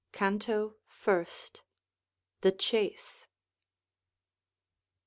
CANTO FIRST. The Chase.